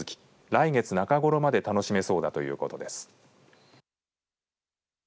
来月中ごろまで楽しめそうだということです。